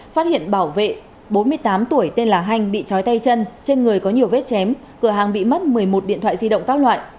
phát hiện bảo vệ bốn mươi tám tuổi tên là hanh bị chói tay chân trên người có nhiều vết chém cửa hàng bị mất một mươi một điện thoại di động các loại